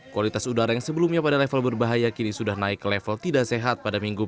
kualitas udara yang sebelumnya pada level berbahaya kini sudah naik ke level tidak sehat pada minggu